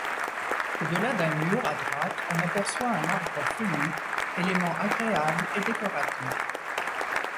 Au-delà d'un mur, à droite, on aperçoit un arbre feuillu, élément agréable et décoratif.